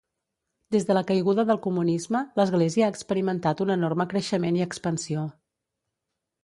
Des de la caiguda del comunisme, l'església ha experimentat un enorme creixement i expansió.